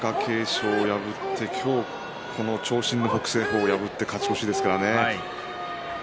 昨日は貴景勝を破って長身の北青鵬、破って勝ち越しですからね。